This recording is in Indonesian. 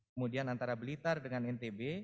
kemudian antara blitar dengan ntb